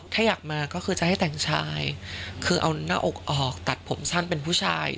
ถ้าอยากมาก็คือจะให้แต่งชายคือเอาหน้าอกออกตัดผมสั้นเป็นผู้ชาย